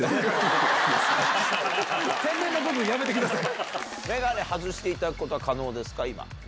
天然の部分やめてください！